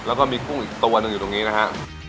แล้วก็มีกุ้งอีกตัวหนึ่งอยู่ตรงนี้นะฮะ